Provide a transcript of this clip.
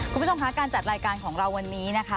คุณผู้ชมคะการจัดรายการของเราวันนี้นะคะ